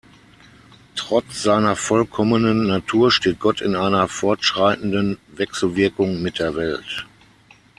Trotz seiner vollkommenen Natur steht Gott in einer fortschreitenden Wechselwirkung mit der Welt.